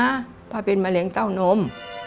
มะเร็งนะพาเป็นมะเร็งเต้านม